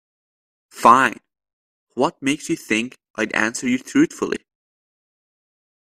Fine, what makes you think I'd answer you truthfully?